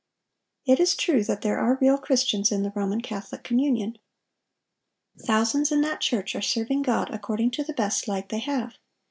"(1001) It is true that there are real Christians in the Roman Catholic communion. Thousands in that church are serving God according to the best light they have.